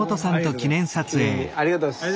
ありがとうございます。